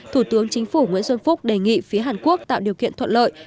thủ tướng chính phủ nguyễn xuân phúc đề nghị phía hàn quốc tạo điều kiện thuận lợi